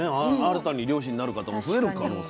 新たに漁師になる方も増える可能性も。